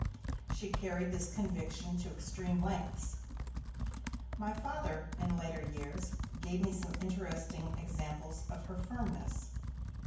She carried this conviction to extreme lengths. My Father, in later years, gave me some interesting examples of her firmness.